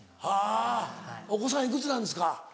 はぁお子さんいくつなんですか？